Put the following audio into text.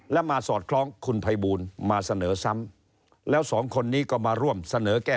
และมาสอดคล้องคุณภัยบูลมาเสนอซ้ำแล้วสองคนนี้ก็มาร่วมเสนอแก้